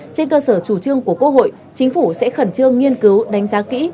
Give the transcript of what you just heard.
trên cơ sở chủ trương của quốc hội chính phủ sẽ khẩn trương nghiên cứu đánh giá kỹ